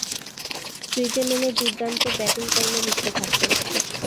ক্রিজে নেমে দূর্দান্ত ব্যাটিং কর্মে লিপ্ত থাকতেন।